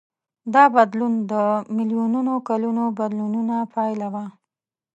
دا بدلون د میلیونونو کلونو بدلونونو پایله وه.